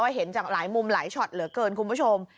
เห็นจากหลายมุมหลายช็อตเหลือเกินคุณผู้ชม